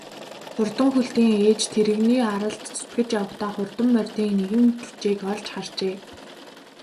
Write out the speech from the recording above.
Хурдан хөлтийн ээж тэрэгний аралд зүтгэж явахдаа хурдан морьдын нэгэн жүчээг олж харжээ.